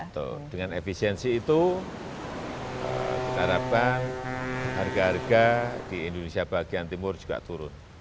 betul dengan efisiensi itu diharapkan harga harga di indonesia bagian timur juga turun